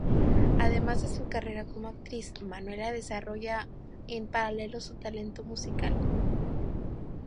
Además de su carrera como actriz, Manuela desarrolla en paralelo su talento musical.